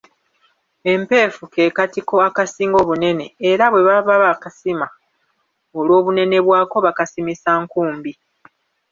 Empeefu ke katiko akasinga obunene era bwe baba bakasima olw'obunene bwako bakasimisa nkumbi.